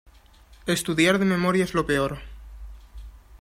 Estudiar de memoria es lo peor.